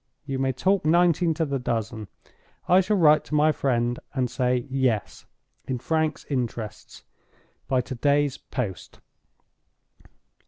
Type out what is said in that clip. You may talk nineteen to the dozen—I shall write to my friend and say Yes, in Frank's interests, by to day's post."